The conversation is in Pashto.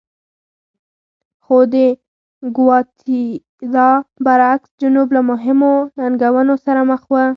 خو د ګواتیلا برعکس جنوب له مهمو ننګونو سره مخ و.